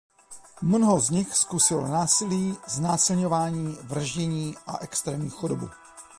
Mnoho z nich zkusilo násilí, znásilňování, vraždění a extrémní chudobu.